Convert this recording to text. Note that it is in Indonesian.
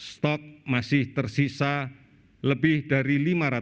stok masih tersisa lebih dari lima ratus